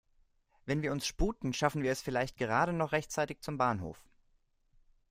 Wenn wir uns sputen, schaffen wir es vielleicht gerade noch rechtzeitig zum Bahnhof.